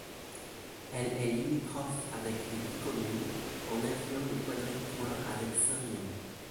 Elle est limitrophe avec huit communes, en incluant le quadripoint avec Saint-Myon.